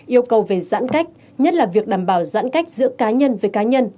yêu cầu về giãn cách nhất là việc đảm bảo giãn cách giữa cá nhân với cá nhân